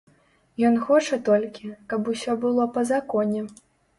Ён хоча толькі, каб усё было па законе.